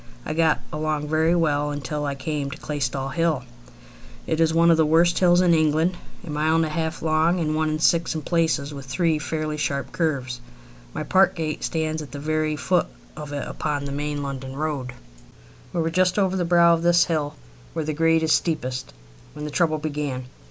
I got along very well until I came to Claystall Hill. It is one of the worst hills in England, a mile and a half long and one in six in places, with three fairly sharp curves. My park gates stand at the very foot of it upon the main London road. We were just over the brow of this hill, where the grade is steepest, when the trouble began.